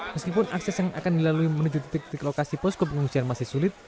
meskipun akses yang akan dilalui menuju titik titik lokasi posko pengungsian masih sulit